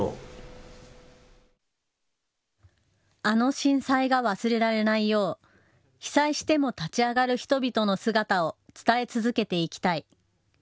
あの震災が忘れられないよう被災しても立ち上がる人々の姿を伝え続けていきたい。